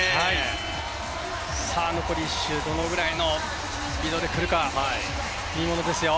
残り１周どのくらいのスピードで来るか、見ものですよ。